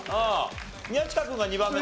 宮近君が２番目。